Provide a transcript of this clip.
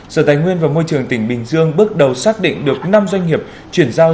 sở tài nguyên và môi trường tỉnh bình dương bước đầu xác định được năm doanh nghiệp chuyển giao